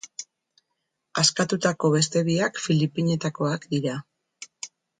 Askatutako beste biak filipinetakoak dira.